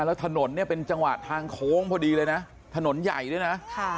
แล้วถนนเนี่ยเป็นจังหวะทางโค้งพอดีเลยนะถนนใหญ่ด้วยนะ